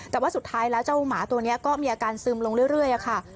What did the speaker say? แต่ว่าสุดท้ายแล้วเจ้าหมาตัวนี้ก็มีอาการซึมลงเรื่อยค่ะ